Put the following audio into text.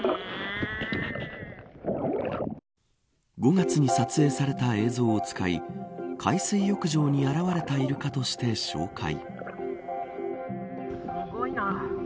５月に撮影された映像を使い海水浴場に現れたイルカとして紹介。